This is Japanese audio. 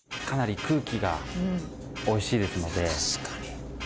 かなり空気がおいしいですので。